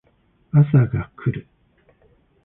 朝が来る